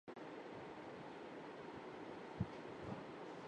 ذرا سوچنے کی۔